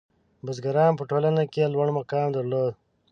• بزګران په ټولنه کې لوړ مقام درلود.